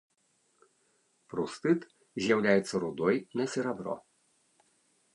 Прустыт з'яўляецца рудой на серабро.